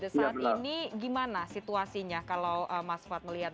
saat ini gimana situasinya kalau mas fad melihat